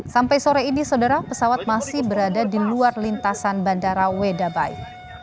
sampai sore ini saudara pesawat masih berada di luar lintasan bandara wedabai